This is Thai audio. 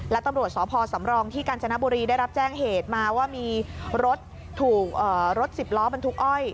และตำรวจสพสำรองที่กาญจนบุรีได้รับแจ้งเหตุมาว่ามีรถถูกรถสิบล้อบรรทุกอ้อย